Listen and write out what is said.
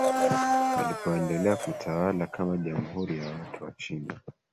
Walipoendelea kutawala kama Jamhuri ya watu wa China